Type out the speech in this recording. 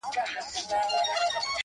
د ستن او تار خبري ډيري شې دي;